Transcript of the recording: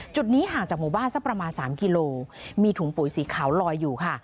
จุดนี้ห่างจากหมู่บ้านสักประมาณ๓กิโลมีถุงปุ๋ยสีขาวลอยอยู่ค่ะ